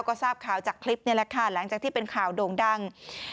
ก็ทราบข่าวจากคลิปนี่แหละค่ะหลังจากที่เป็นข่าวโด่งดัง